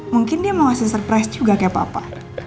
mungkin dia mau ngasih surprise juga kayak papa